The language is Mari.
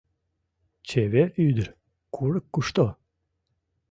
- Чевер ӱдыр, курык кушто?